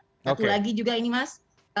satu lagi juga ini mas